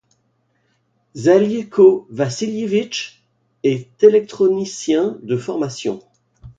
Željko Vasiljević est électrotechnicien de formation.